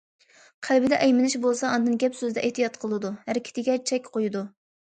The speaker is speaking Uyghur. قەلبىدە ئەيمىنىش بولسا، ئاندىن گەپ- سۆزدە ئېھتىيات قىلىدۇ، ھەرىكىتىگە چەك قويىدۇ.